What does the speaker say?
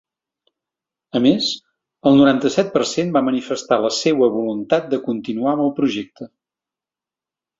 A més, el noranta-set per cent va manifestar la seua voluntat de continuar amb el projecte.